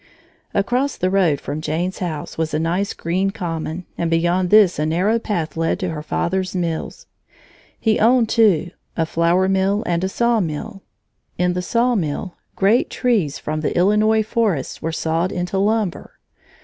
Across the road from Jane's house was a nice green common, and beyond this a narrow path led to her father's mills. He owned two, a flour mill and a sawmill. In the sawmill great trees from the Illinois forests were sawed into lumber.